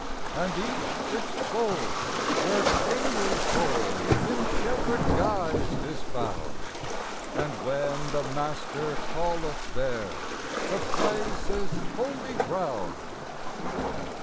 And each its fold, where kingly soul in shepherd guise is found; And when the Master calleth there the place is "holy ground."